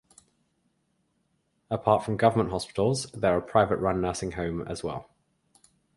Apart from Government Hospitals, there are private run nursing home as well.